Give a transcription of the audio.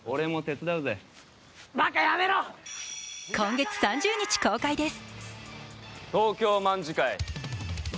今月３０日公開です。